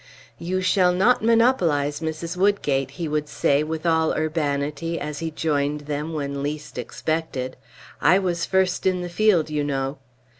"You shall not monopolize Mrs. Woodgate," he would say with all urbanity as he joined them when least expected. "I was first in the field, you know!"